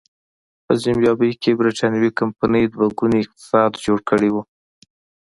په زیمبابوې کې برېټانوۍ کمپنۍ دوه ګونی اقتصاد جوړ کړی و.